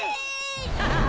ハハハハ！